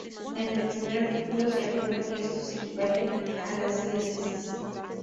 En el primer artículo se afirma que estos equivalen a las diócesis.